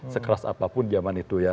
sekeras apapun zaman itu ya